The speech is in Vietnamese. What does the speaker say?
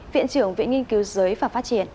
viện trưởng viện nghiên cứu giới và phát triển